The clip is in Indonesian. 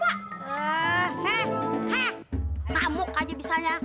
heeh heeh heeh enggak muk aja bisanya